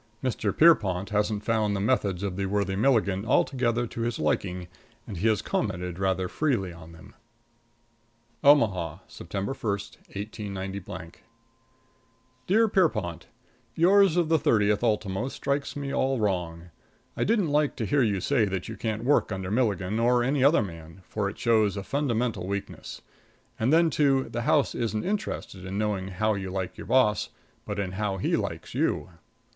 Mr. Pierrepont || hasn't found the methods || of the worthy Milligan || altogether to his liking, || and he has commented || rather freely on them. |++ VII OMAHA, September 1, 189 Dear Pierrepont: Yours of the 30th ultimo strikes me all wrong. I don't like to hear you say that you can't work under Milligan or any other man, for it shows a fundamental weakness. And then, too, the house isn't interested in knowing how you like your boss, but in how he likes you.